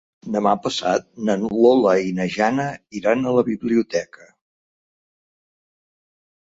Demà passat na Lola i na Jana iran a la biblioteca.